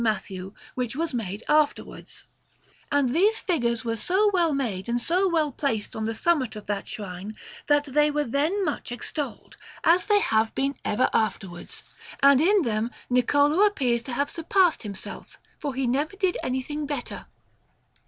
Matthew, which was made afterwards; and these figures were so well made and so well placed on the summit of that shrine that they were then much extolled, as they have been ever afterwards, and in them Niccolò appears to have surpassed himself, for he never did anything better.